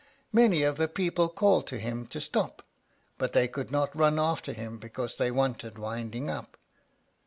Many of the people called to him to stop, but they could not run after him, because they wanted winding up.